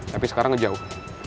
tapi sekarang ngejauh